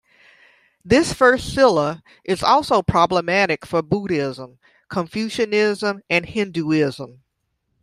This first "sila" is also problematic for Buddhism, Confucianism, and Hinduism.